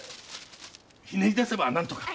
ひねり出せば何とか。